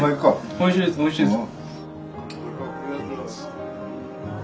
おいしいですおいしいです。